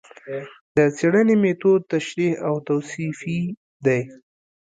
د څېړنې مېتود تشریحي او توصیفي دی